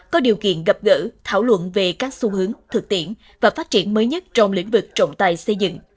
có điều kiện gặp gỡ thảo luận về các xu hướng thực tiễn và phát triển mới nhất trong lĩnh vực trọng tài xây dựng